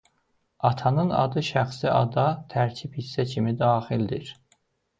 Atanın adı şəxsi ada tərkib hissə kimi daxildir.